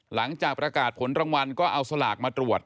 หลังจากประกาศผลรางวัลก็เอาสลากมาตรวจ